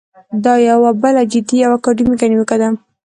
دا یوه بله جدي او اکاډمیکه نیوکه ده.